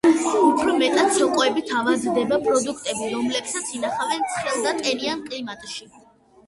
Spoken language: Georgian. უფრო მეტად სოკოებით ავადდება პროდუქტები, რომლებსაც ინახავენ ცხელ და ტენიან კლიმატში.